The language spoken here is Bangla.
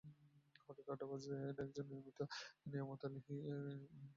হঠাৎ আড্ডাবাজদের একজন নিয়ামত আলী এনায়েত শুরু করলেন জীবনানন্দের কবিতা আবৃত্তি।